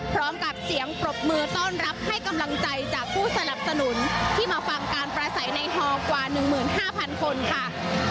พร้อมกับเสียงปรบมือต้อนรับให้กำลังใจจากผู้สนับสนุนที่มาฟังการประสัยในฮอกว่า๑๕๐๐คนค่ะ